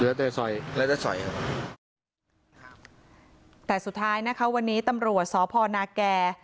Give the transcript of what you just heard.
แต่สอยแล้วจะสอยครับแต่สุดท้ายนะคะวันนี้ตำรวจสพนาแก่